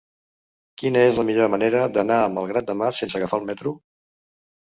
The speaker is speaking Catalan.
Quina és la millor manera d'anar a Malgrat de Mar sense agafar el metro?